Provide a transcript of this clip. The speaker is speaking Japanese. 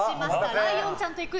ライオンちゃんと行く！